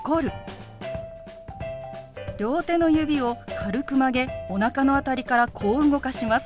両手の指を軽く曲げおなかの辺りからこう動かします。